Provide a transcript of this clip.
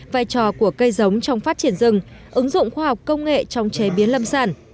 vai trò của cây giống trong phát triển rừng ứng dụng khoa học công nghệ trong chế biến lâm sản